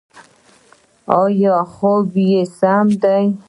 ایا خوب یې سم دی؟